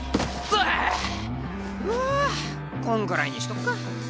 ふぅこんくらいにしとくか。